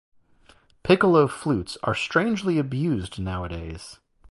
Piccolo flutes are strangely abused nowadays.